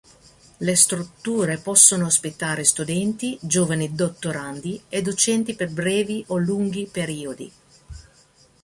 Le strutture possono ospitare studenti, giovani dottorandi e docenti per brevi o lunghi periodi.